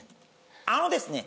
あのですね